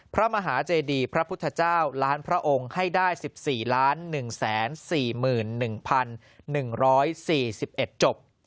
พระมหาเจดีพระพุทธเจ้าล้านพระองค์ให้ได้๑๔๑๔๑๑๔๑จบ